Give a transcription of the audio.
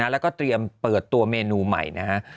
แล้วก็เตรียมเปิดตัวเมนูใหม่นะฮะ